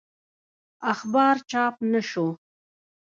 اخبار چاپ نه شو.